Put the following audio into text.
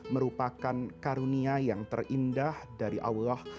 merupakan karunia yang terindah dari allah